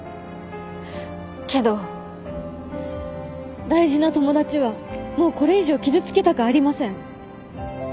けど大事な友達はもうこれ以上傷つけたくありません。